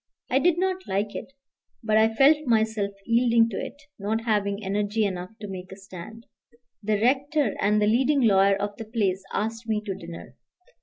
I did not like it, but I felt myself yielding to it, not having energy enough to make a stand. The rector and the leading lawyer of the place asked me to dinner.